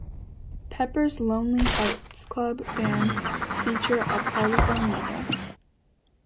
Pepper's Lonely Hearts Club Band feature a Parlophone label.